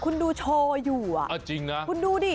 คุณดูโชว์อยู่อะคุณดูดิ